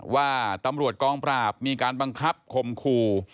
ว่าตำรวจกองปราบมีการบังคับคมคู่